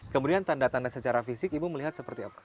kemudian tanda tanda secara fisik ibu melihat seperti apa